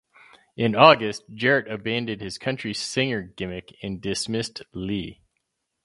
In August, Jarrett abandoned his country singer gimmick and dismissed Lee.